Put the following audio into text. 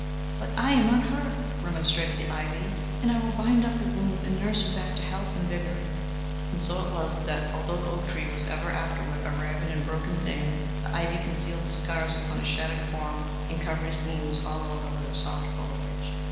"But I am unhurt," remonstrated the ivy, "and I will bind up your wounds and nurse you back to health and vigor." And so it was that, although the oak tree was ever afterward a riven and broken thing, the ivy concealed the scars upon his shattered form and covered his wounds all over with her soft foliage.